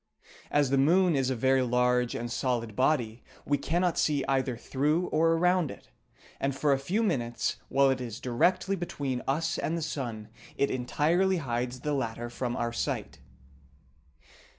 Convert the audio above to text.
As the moon is a very large and solid body, we cannot see either through or around it, and for a few minutes while it is directly between us and the sun it entirely hides the latter from our sight.